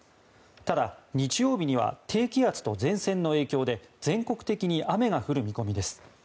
ただ、日曜日には低気圧と前線の影響で全国的に雨が降る見込みです。